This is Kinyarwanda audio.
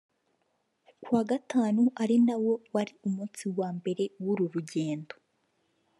Ku wa Gatanu ari nawo wari umunsi wa mbere w’uru rugendo